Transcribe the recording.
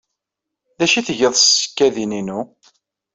D acu ay tgiḍ s tsekkadin-inu?